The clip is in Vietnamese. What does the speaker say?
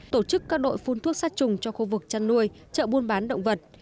tổ chức các đội phun thuốc sát trùng cho khu vực chăn nuôi chợ buôn bán động vật